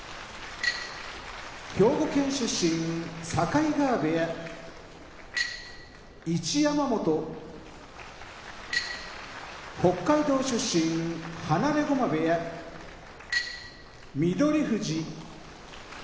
兵庫県出身境川部屋一山本北海道出身放駒部屋翠富士